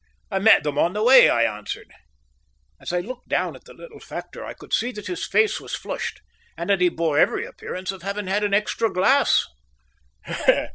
"I met them on the way," I answered. As I looked down at the little factor, I could see that his face was flushed and that he bore every appearance of having had an extra glass.